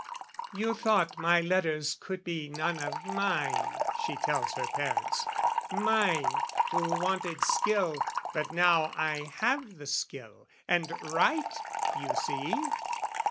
"You thought my letters could be none of mine," She tells her parents "mine, who wanted skill; "But now I have the skill, and write, you see!"